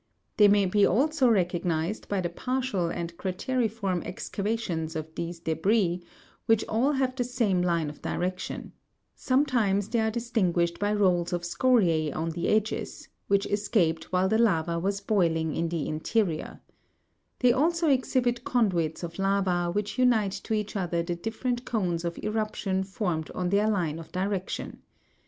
They may be also recognised by the partial and crate'riform excavations of these debris, which all have the same line of direction ; sometimes they are distinguished by rolls of scoria on the edges, which escaped while the lava was boiling in the interior; they also exhibit conduits of lava, which unite to each other the different cones of eruption formed on their line of direction.